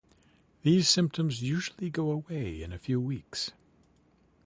These symptoms usually go away in a few weeks.